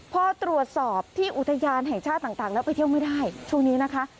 พอตรวจสอบที่อุทยานแห่งชาติต่างแล้วไปเที่ยวไม่ได้ช่วงนี้นะคะ